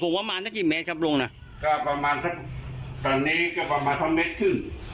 ผมประมาณสักกี่เมตรครับลุงน่ะก็ประมาณสักตอนนี้ก็ประมาณสักเมตรครึ่ง